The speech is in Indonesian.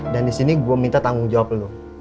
dan di sini gue minta tanggung jawab lu